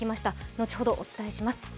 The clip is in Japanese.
後ほど、お伝えします。